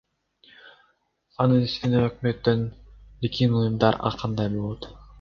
Анын үстүнө өкмөттөн эркин уюмдар ар кандай болот.